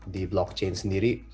di blockchain sendiri